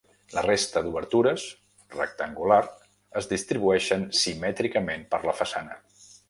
La resta d'obertures, rectangular, es distribueixen simètricament per la façana.